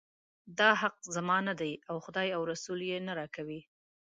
دا حق زما نه دی او خدای او رسول یې نه راکوي.